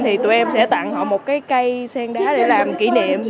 thì tụi em sẽ tặng họ một cái cây sen đá để làm kỷ niệm